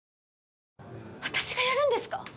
私がやるんですか！？